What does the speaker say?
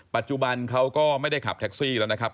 ปัจจุบันเขาก็ไม่ได้ขับแท็กซี่แล้วนะครับ